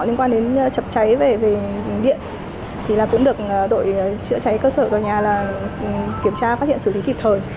đến chập cháy về điện thì cũng được đội chữa cháy cơ sở của tòa nhà kiểm tra phát hiện xử lý kịp thời